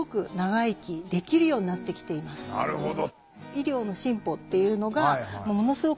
なるほど。